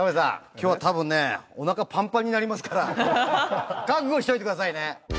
今日は多分ねおなかパンパンになりますから覚悟しといてくださいね。